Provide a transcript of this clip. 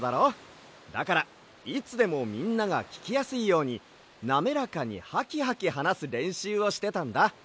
だからいつでもみんながききやすいようになめらかにハキハキはなすれんしゅうをしてたんだ。